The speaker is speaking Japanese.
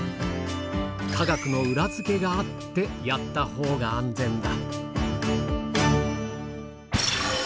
科学の裏付けがあってやったほうが安全だ。